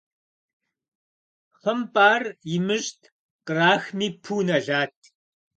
ХъымпIар имыщIт, кърахми пу нэлат.